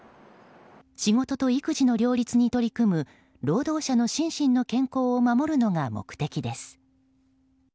仕事と育児の両立に取り組む労働者の心身の健康を守るのが目的です。